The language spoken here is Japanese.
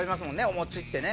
お餅ってね。